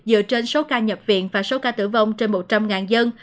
dựa trên số ca nhập viện và số ca tử vong trên một trăm linh dân